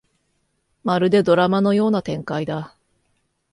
まるでドラマのような展開だ